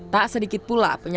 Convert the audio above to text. tak sedikit pula penyakitnya